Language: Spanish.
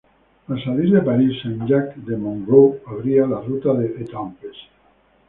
Al salir de París, Saint-Jacques de Montrouge abría la ruta de Étampes.